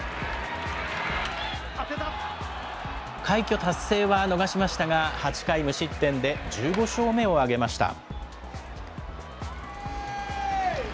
快挙達成は逃しましたが、８回無失点で１５勝目を挙げました。